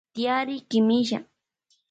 Tiyari kimilla.